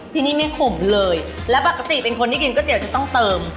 ที่นี่ไม่ขมเลยแล้วปกติเป็นคนที่กินก๋วเตี๋จะต้องเติม